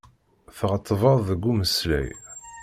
Tɣettbeḍ deg umeslay.